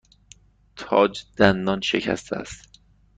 تاج دندان شکسته است.